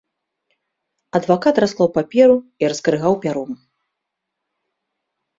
Адвакат расклаў паперу і заскрыгаў пяром.